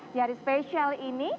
di hari spesial ini